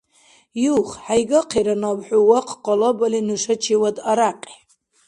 Юх, хӀейгахъира наб хӀу вахъ къалабали нушачивад арякьи.